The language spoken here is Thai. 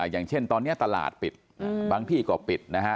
อย่างเช่นตอนนี้ตลาดปิดบางที่ก็ปิดนะฮะ